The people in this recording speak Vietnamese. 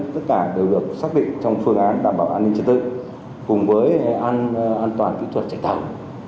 tất cả đều được xác định trong phương án đảm bảo an ninh trật tự cùng với an toàn kỹ thuật chạy tàu